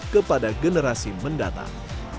kepada generasi mendatang